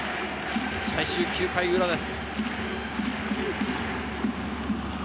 最終９回裏です。